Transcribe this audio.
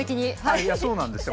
いやそうなんですよ。